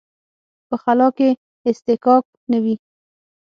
په خلا کې اصطکاک نه وي.